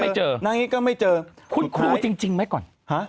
ไม่เจอนางงี้ก็ไม่เจอคุณครูจริงไหมก่อนฮะ